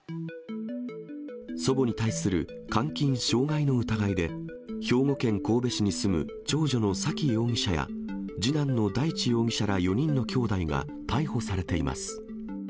祖母に対する監禁・傷害の疑いで、兵庫県神戸市に住む長女の沙喜容疑者や次男の大地容疑者ら４人のきょうだいが逮捕されています。